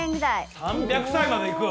３００歳までいく？